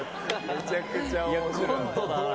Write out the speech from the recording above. めちゃくちゃ面白い。